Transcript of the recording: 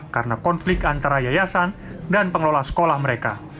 karena konflik antara yayasan dan pengelola sekolah mereka